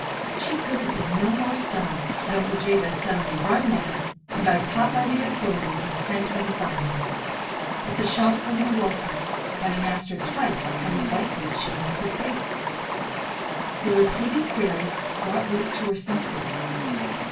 She could have been no more stunned had Uncle Jabez suddenly run mad and been caught by the authorities and sent to an asylum. But the shop woman awoke her, having asked her twice what kind of white goods she wanted to see. The repeated query brought Ruth to her senses.